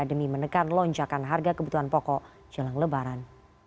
demi menekan lonjakan harga kebutuhan pokok jelang lebaran